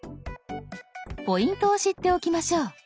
ポイントを知っておきましょう。